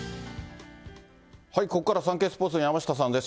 ここからはサンケイスポーツの山下さんです。